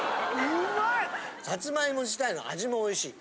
サツマイモ自体の味もおいしい。